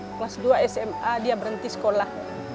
kelas dua sma dia berhenti sekolah